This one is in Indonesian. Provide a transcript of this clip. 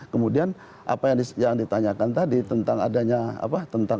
kemudian apa yang ditanyakan tadi tentang adanya apa tentang